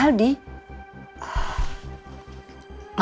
aura itu ma